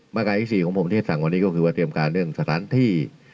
มาการที่๔ของผมที่จะสั่งวันนี้ก็คือว่าเตรียมการเรื่องสถานที่